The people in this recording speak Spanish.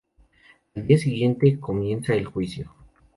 Al día siguiente comienza el juicio.